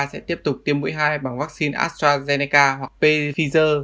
sẽ tiếp tục tiêm mũi hai bằng vaccine astrazeneca hoặc pfizer